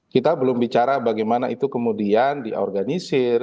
kita belum bicara bagaimana itu kemudian diorganisir